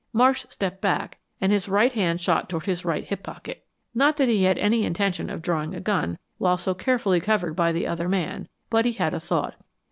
Marsh stepped back and his right hand shot toward his right hip pocket. Not that he had any intention of drawing a gun while so carefully covered by the other man, but he had a thought.